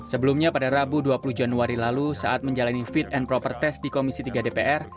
sebelumnya pada rabu dua puluh januari lalu saat menjalani fit and proper test di komisi tiga dpr